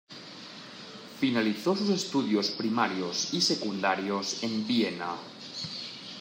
Finalizó sus estudios primarios y secundarios en Viena.